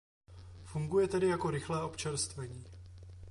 Funguje tedy jako rychlé občerstvení.